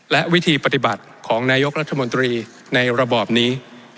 และวิธีปฏิบัติของนายกรัฐมนตรีในระบอบนี้